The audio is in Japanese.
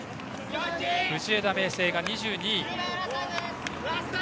藤枝明誠が２２位。